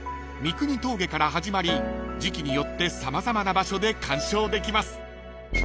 ［三国峠から始まり時季によって様々な場所で鑑賞できます］